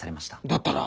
だったら。